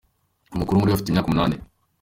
Umukuru muri bo afite imyaka umunani.